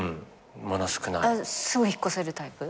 すぐ引っ越せるタイプ？